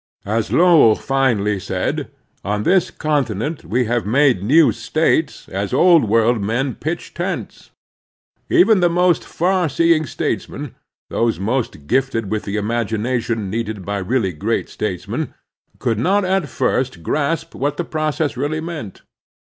As Lowell finely said, on this continent we have made new States as Old World men pitch tents. Even the most far seeing states men, those most gifted with the imagination needed by really great statesmen, could not at first grasp what the process really meant.